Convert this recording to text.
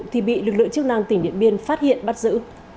thì bị lực lượng chức năng tỉnh điện biên phát hiện bắt giữ